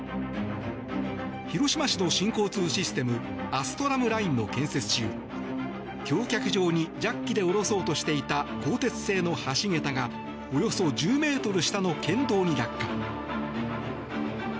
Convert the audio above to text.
広島市の新交通システムアストラムラインの建設中橋脚上にジャッキで下ろそうとしていた鋼鉄製の橋桁がおよそ１０ｍ下の県道に落下。